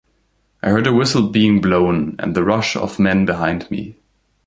I heard a whistle being blown, and the rush of men behind me.